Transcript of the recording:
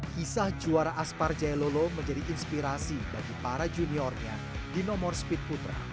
kisah juara aspar jailolo menjadi inspirasi bagi para juniornya di nomor speed putra